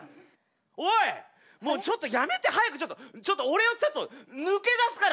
おいもうちょっとやめて早くちょっとちょっと俺をちょっと抜け出すから。